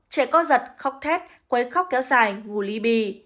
trẻ có giật khóc thét quấy khóc kéo dài ngủ ly bì